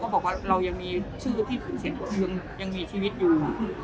เขาก็บอกว่าเรายังมีชื่อคือผู้เสียงต่อเมืองยังมีชีวิตอยู่